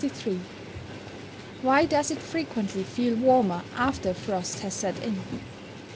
FIG. 1.] 163. _Why does it frequently feel warmer after a frost has set in?